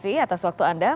terima kasih atas waktu anda